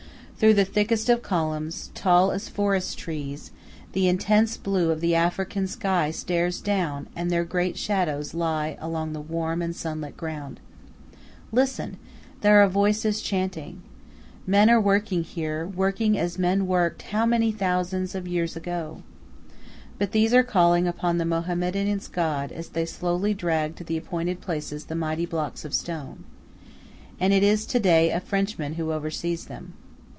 Through the thicket of columns, tall as forest trees, the intense blue of the African sky stares down, and their great shadows lie along the warm and sunlit ground. Listen! There are voices chanting. Men are working here working as men worked how many thousands of years ago. But these are calling upon the Mohammedan's god as they slowly drag to the appointed places the mighty blocks of stone. And it is to day a Frenchman who oversees them.